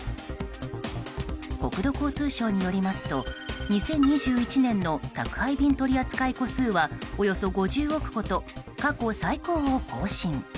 国土交通省によりますと２０２１年の宅配便取り扱い個数はおよそ５０億個と過去最高を更新。